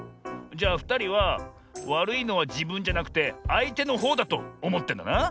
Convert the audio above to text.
じゃあふたりはわるいのはじぶんじゃなくてあいてのほうだとおもってんだな。